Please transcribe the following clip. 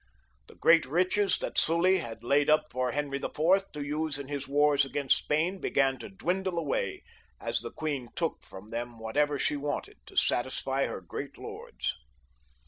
The great riches that Sully had laid up for Henry IV. to use in his wars against Spain began to dwindle away as the queen took from them whatever she wanted to satisfy her great lords.